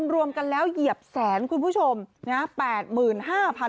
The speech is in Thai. รวมกันแล้วเหยียบแสนคุณผู้ชมนะ